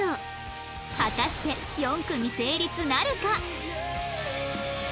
果たして４組成立なるか？